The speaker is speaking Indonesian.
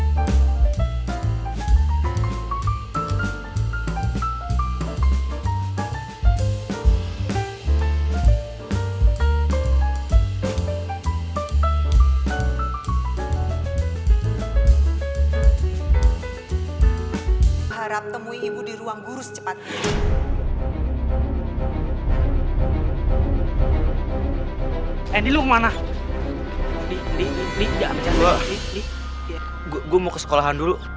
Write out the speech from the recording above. d d g bo gua mau ke sekolahan dulu